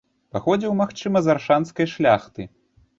Паходзіў, магчыма, з аршанскай шляхты.